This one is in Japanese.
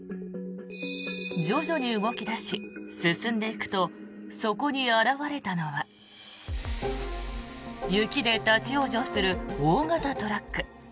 徐々に動き出し進んでいくとそこに現れたのは雪で立ち往生する大型トラック。